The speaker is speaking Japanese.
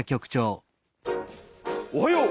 おはよう。